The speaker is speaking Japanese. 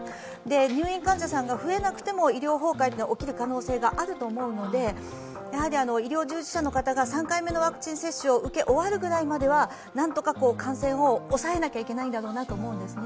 入院患者さんが増えなくても医療崩壊が起きる可能性はあると思いますので、医療従事者の方が３回目のワクチン接種を受け終わるくらいまではなんとか感染を抑えなきゃいけないんだろうなと思うんですね。